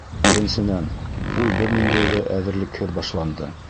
Беренсенән, ул бер ниндәй әҙерлекһеҙ башланды.